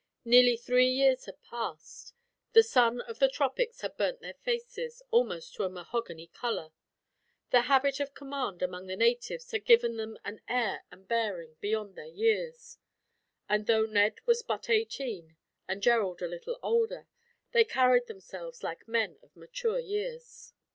Nearly three years had passed. The sun of the tropics had burnt their faces almost to a mahogany color Their habit of command, among the natives, had given them an air and bearing beyond their years; and though Ned was but eighteen, and Gerald a little older, they carried themselves like men of mature years.